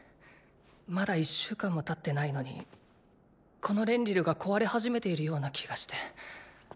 まだ１週間も経ってないのにこのレンリルが壊れ始めているような気がして。